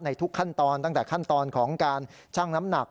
ทุกขั้นตอนตั้งแต่ขั้นตอนของการชั่งน้ำหนัก